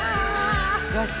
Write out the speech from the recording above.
よし！